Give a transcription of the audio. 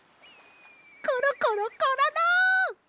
コロコロコロロ！